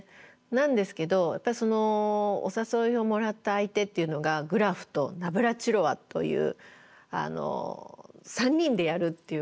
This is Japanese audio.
なんですけどそのお誘いをもらった相手っていうのがグラフとナブラチロワという３人でやるっていう。